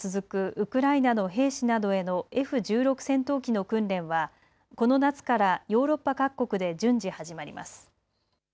ウクライナの兵士などへのＦ１６戦闘機の訓練はこの夏からヨーロッパ各国で順次始まります。